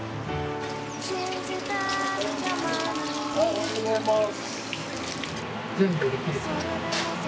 おはようございます。